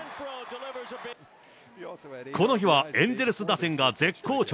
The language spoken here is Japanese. この日は、エンゼルス打線が絶好調。